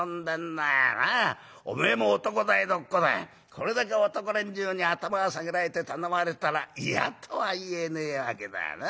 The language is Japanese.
これだけ男連中に頭下げられて頼まれたら嫌とは言えねえわけだよなあ。